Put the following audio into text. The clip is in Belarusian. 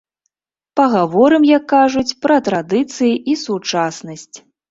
Пагаворым, як кажуць, пра традыцыі і сучаснасць!